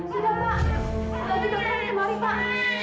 sudah pak lagi dokternya kemari pak